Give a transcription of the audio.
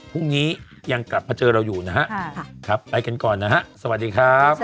พรุ่งนี้ยังกลับมาเจอเราอยู่นะฮะครับไปกันก่อนนะฮะสวัสดีครับ